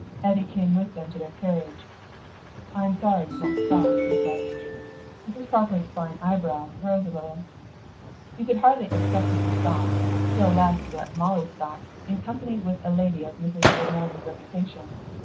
Eddy came with them to their carriage. "I'm sorry you won't stop," he said. Mrs. Crawford's fine eyebrows rose a little. "You could hardly expect me to stop, still less to let Molly stop, in company with a lady of Mrs. Le Moine's reputation.